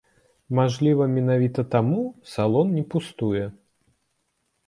Мажліва, менавіта таму салон не пустуе.